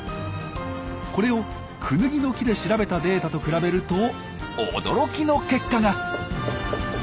これをクヌギの木で調べたデータと比べると驚きの結果が。